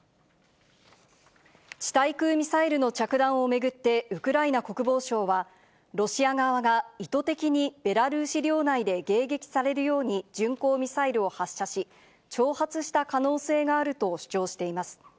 地対空ミサイルの着弾を巡って、ウクライナ国防省は、ロシア側が意図的にベラルーシ領内で迎撃されるように巡航ミサイルを発射し、挑発した可能性があると主張しています。